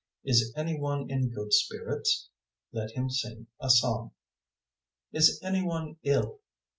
Is any one in good spirits? Let him sing a psalm. 005:014 Is any one ill?